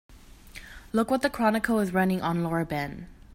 Look what the Chronicle is running on Laura Ben.